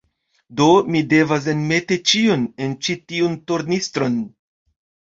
Do, mi devas enmeti ĉion en ĉi tiun tornistron.